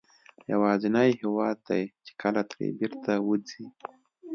یوازینی هېواد دی چې کله ترې بېرته وځې.